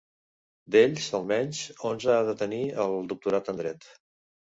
D'ells, almenys onze ha de tenir el doctorat en dret.